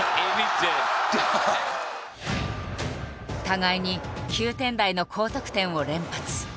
互いに９点台の高得点を連発。